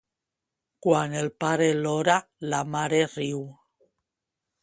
Quan el pare lora, la mare riu.